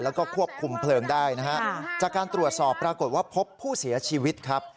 แล้วก็ควบคุมเพลิงได้นะฮะจากการตรวจสอบปรากฏว่าพบผู้เสียชีวิตครับ